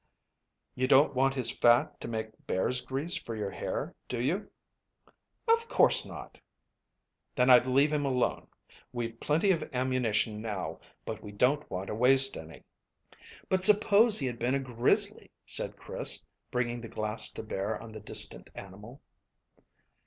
"You don't want his fat to make bear's grease for your hair, do you?" "Of course not." "Then I'd leave him alone. We've plenty of ammunition now, but we don't want to waste any." "But suppose he had been a grizzly?" said Chris, bringing the glass to bear on the distant animal.